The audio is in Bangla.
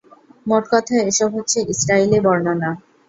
মোটকথা, এসব হচ্ছে ইসরাঈলী বর্ণনা।